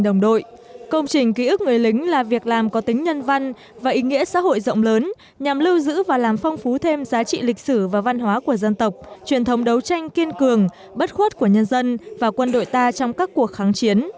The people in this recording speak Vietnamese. đồng đội công trình ký ức người lính là việc làm có tính nhân văn và ý nghĩa xã hội rộng lớn nhằm lưu giữ và làm phong phú thêm giá trị lịch sử và văn hóa của dân tộc truyền thống đấu tranh kiên cường bất khuất của nhân dân và quân đội ta trong các cuộc kháng chiến